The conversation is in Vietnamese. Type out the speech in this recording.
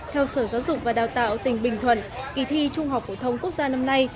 theo sở giáo dục và đào tạo tỉnh bình thuận kỳ thi trung học phổ thông quốc gia năm nay